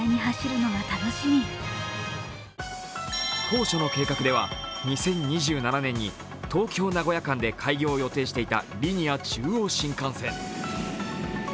当初の計画では２０２７年に東京−名古屋間で開業を予定していたリニア中央新幹線。